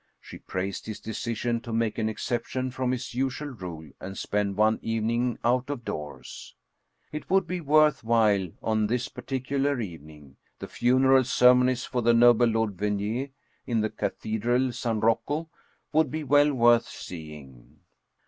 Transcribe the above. She praised his de cision to make an exception from his usual rule and spend one evening out of doors. It would be worth while on this particular evening; the funeral ceremonies for the noble Lord Venier, in the Cathedral San Rocco, would be well worth seeing.